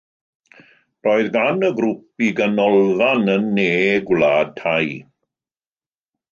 Roedd gan y grŵp ei ganolfan yn Ne Gwlad Thai.